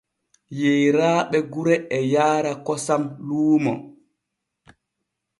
Yeeraaɓe gure e yaara kosam luumo.